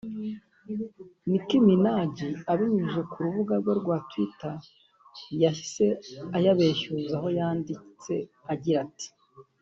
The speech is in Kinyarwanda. Nicki Minaj abinyujije ku rubuga rwe rwa twitter yahise ayabeshyuza aho yandite agira ati